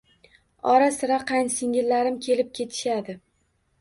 Ora-sira qaynisingillarim kelib ketishadi.